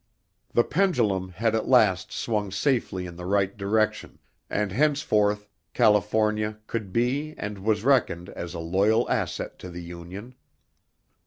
The pendulum had at last swung safely in the right direction, and henceforth California could be and was reckoned as a loyal asset to the Union.